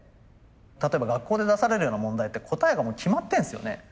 例えば学校で出されるような問題って答えがもう決まってるんですよね。